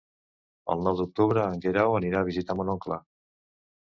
El nou d'octubre en Guerau anirà a visitar mon oncle.